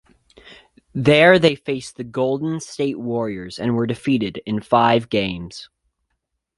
There they faced the Golden State Warriors and were defeated in five games.